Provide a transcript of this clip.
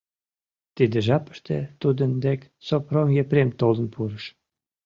Тиде жапыште тудын дек Сопром Епрем толын пурыш.